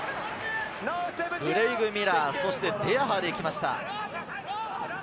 クレイグ・ミラー、そしてデヤハーでいきました。